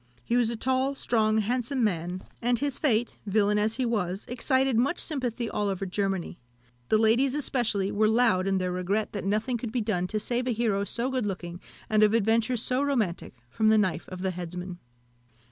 He was a tall, strong, handsome man, and his fate, villain as he was, excited much sympathy all over Germany. The ladies especially were loud in their regret that nothing could be done to save a hero so good looking, and of adventures so romantic, from the knife of the headsman.